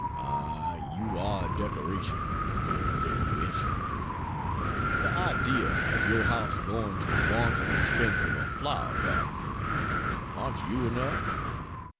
Ah, you are a decoration, you little witch! The idea of your house going to the wanton expense of a flower garden! aren't you enough?